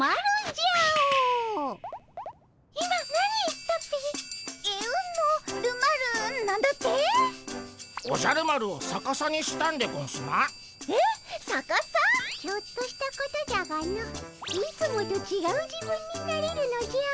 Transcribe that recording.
ちょっとしたことじゃがのいつもとちがう自分になれるのじゃ。